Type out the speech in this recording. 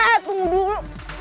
eh tunggu dulu